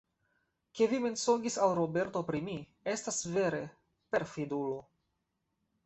Ke vi mensogis al Roberto pri mi, estas vere, perfidulo.